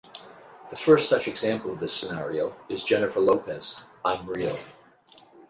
The first such example of this scenario is Jennifer Lopez' "I'm Real".